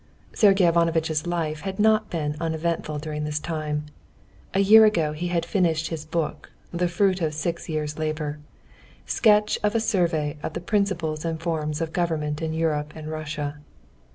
Sergey Ivanovitch's life had not been uneventful during this time. A year ago he had finished his book, the fruit of six years' labor, "Sketch of a Survey of the Principles and Forms of Government in Europe and Russia."